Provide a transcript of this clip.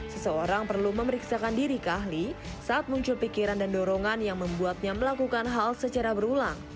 seseorang perlu memeriksakan diri ke ahli saat muncul pikiran dan dorongan yang membuatnya melakukan hal secara berulang